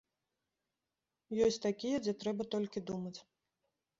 Ёсць такія, дзе трэба толькі думаць.